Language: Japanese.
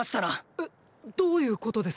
え⁉どういうことです